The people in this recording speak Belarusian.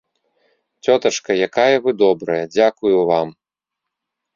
Цётачка, якая вы добрая, дзякую вам!